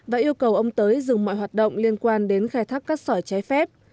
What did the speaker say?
và yêu cầu ông tới dừng mọi hoạt động liên quan đến khai thác cát sỏi trái phép